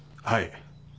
はい。